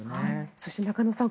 そして中野さん